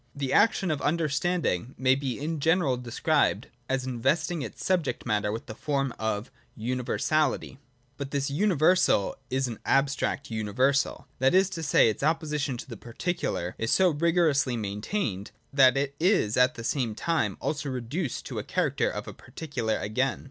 The action of Understanding may be in general described as investing its subject matter with the form of universality. But this universal is an abstract universal ; that is to say, its opposition to the particular is so rigorously 144 LOGIC DEFINED AND DIVIDED. [80. maintained, that it is at the same time also reduced to the character of a particular again.